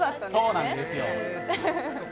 そうなんですよ。